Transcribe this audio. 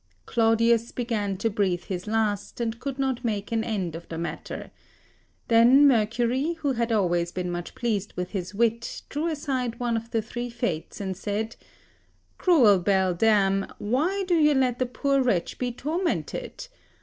Claudius began to breathe his last, and could not 3 make an end of the matter. Then Mercury, who had always been much pleased with his wit, drew aside one of the three Fates, and said: "Cruel beldame, why do you let the poor wretch be tormented?